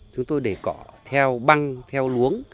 chúng tôi để cỏ theo băng theo luống